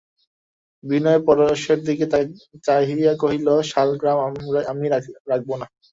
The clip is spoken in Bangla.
বিনয় পরেশের দিকে চাহিয়া কহিল, শালগ্রাম আমি রাখব না।